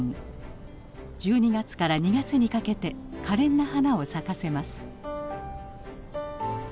１２月から２月にかけてかれんな花を咲かせます。